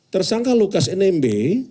tersangka lukas nmb